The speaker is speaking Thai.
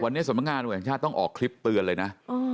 วันนี้สำนักงานตำรวจแห่งชาติต้องออกคลิปเตือนเลยนะ